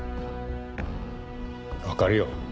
わかるよ。